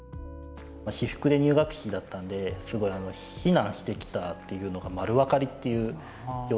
私服で入学式だったんですごい避難してきたっていうのが丸分かりっていう状態だったんですね。